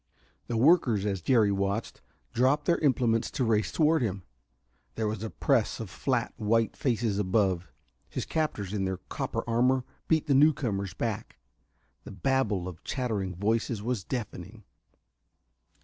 The workers, as Jerry watched, dropped their implements to race toward him. There was a press of flat, white faces above. His captors, in their copper armor, beat the newcomers back. The babel of chattering voices was deafening.